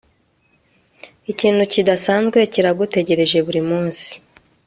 ikintu kidasanzwe kiragutegereje buri munsi